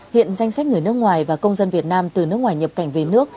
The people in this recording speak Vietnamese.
hiện danh sách người nước ngoài và công dân việt nam từ nước ngoài nhập cảnh về nước